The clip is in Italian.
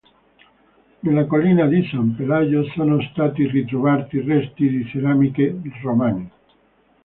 Nella collina di San Pelayo sono stati ritrovati resti di ceramiche romane.